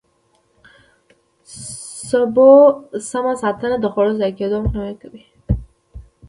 د سبو سمه ساتنه د خوړو ضایع کېدو مخنیوی کوي.